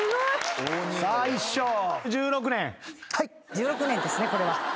１６年ですねこれは。